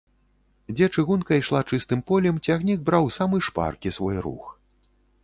Дзе чыгунка ішла чыстым полем, цягнік браў самы шпаркі свой рух.